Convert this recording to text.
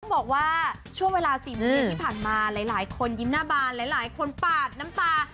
บอกว่าช่วงเวลา๔โมงเย็นที่ผ่านมาหลายคนยิ้มหน้าบานหลายคนปาดน้ำตา